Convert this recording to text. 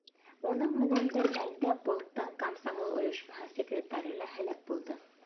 Уның менән бер мәлдә полктың комсомол ойошмаһы секретары ла һәләк булды.